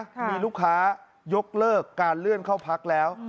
มีลูกค้ายกเลิกการเลื่อนเข้าพักแล้ว